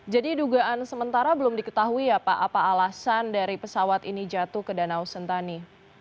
jadi dugaan sementara belum diketahui ya pak apa alasan dari pesawat ini jatuh ke danau sentani